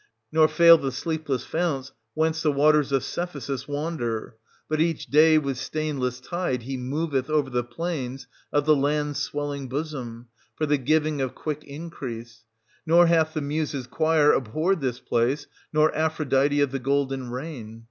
Nor fail the sleepless founts whence the waters of Cephisus wander, but each day with stainless 690 tide he moveth over the plains of the land's swelling bosom, for the %\v\ng of quick increase ; nor hath the Muses' quire abhorred this place, nor Aphrodite of the golden rein.